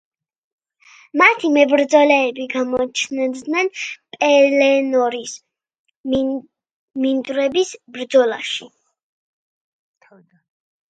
მათი მებრძოლეები გამოჩნდნენ პელენორის მინდვრების ბრძოლაში.